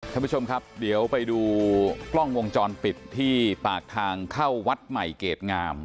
ท่านผู้ชมครับเดี๋ยวไปดูกล้องวงจรปิดที่ปากทางเข้าวัดใหม่เกรดงาม